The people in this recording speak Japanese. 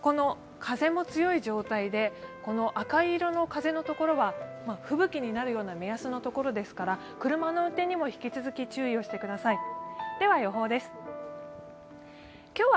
風も強い状態で、赤い色の風のところは吹雪になるような目安のところですから車の運転にも引き続き注意をしてください。